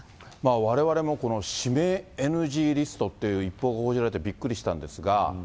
われわれもこの指名ＮＧリストっていう一報を報じられてびっ